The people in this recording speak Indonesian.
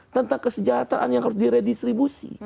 tentang kesejahteraan yang harus diredistribusi